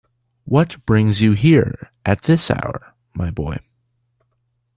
What brings you here, at this hour, my boy?